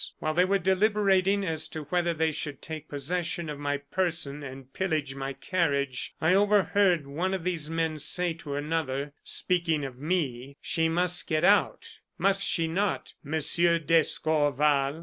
While they were deliberating as to whether they should take possession of my person and pillage my carriage, I overheard one of these men say to another, speaking of me: 'She must get out, must she not, Monsieur d'Escorval?